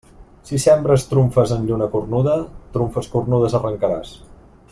Si sembres trumfes en lluna cornuda, trumfes cornudes arrencaràs.